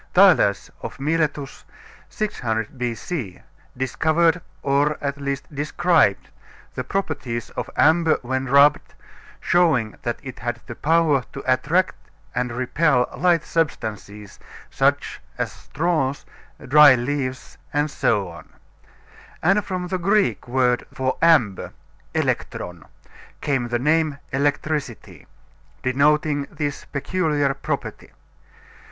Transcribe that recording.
Thales of Miletus, 600 B.C., discovered, or at least described, the properties of amber when rubbed, showing that it had the power to attract and repel light substances, such as straws, dry leaves, etc. And from the Greek word for amber elektron came the name electricity, denoting this peculiar property.